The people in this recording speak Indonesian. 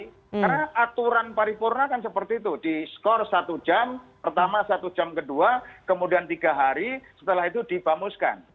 karena aturan paripurna kan seperti itu diskor satu jam pertama satu jam kedua kemudian tiga hari setelah itu dibamuskan